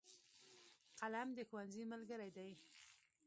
قلم د ښوونځي ملګری دی.